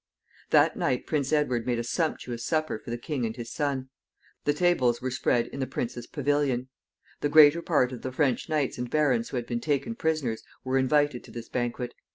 That night Prince Edward made a sumptuous supper for the king and his son. The tables were spread in the prince's pavilion. The greater part of the French knights and barons who had been taken prisoners were invited to this banquet.